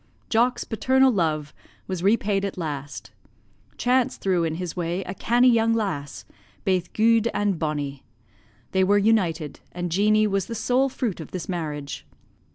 "Jock's paternal love was repaid at last; chance threw in his way a cannie young lass, baith guid and bonnie: they were united, and Jeanie was the sole fruit of this marriage.